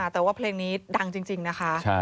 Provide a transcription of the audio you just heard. แต่ว่าเพลงนี้ดังจริงนะคะ